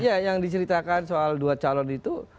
ya yang diceritakan soal dua calon itu